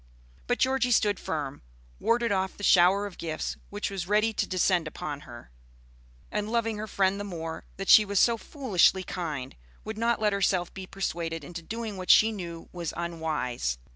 But Georgie stood firm, warded off the shower of gifts which was ready to descend upon her, and loving her friend the more that she was so foolishly kind, would not let herself be persuaded into doing what she knew was unwise.